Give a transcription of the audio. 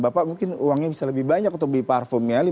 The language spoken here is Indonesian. bapak mungkin uangnya bisa lebih banyak untuk beli parfumnyaly